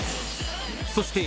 ［そして］